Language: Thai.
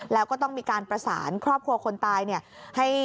แล้วก็ต้องมีการประสานครอบครัวคนตายเนี่ย